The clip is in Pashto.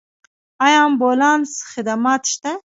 آیا امبولانس خدمات شته؟